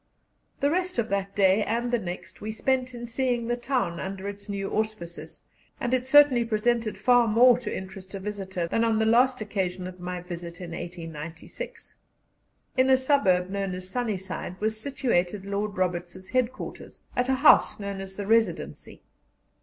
The rest of that day and the next we spent in seeing the town under its new auspices, and it certainly presented far more to interest a visitor than on the occasion of my last visit in 1896. In a suburb known as Sunny Side was situated Lord Roberts's headquarters, at a house known as the Residency.